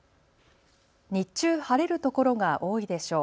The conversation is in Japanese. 日中、晴れるところが多いでしょう。